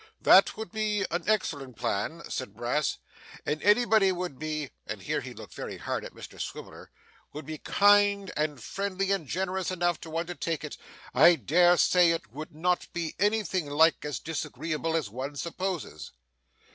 'That would be an excellent plan,' said Brass, 'if anybody would be ' and here he looked very hard at Mr Swiveller 'would be kind, and friendly, and generous enough, to undertake it. I dare say it would not be anything like as disagreeable as one supposes.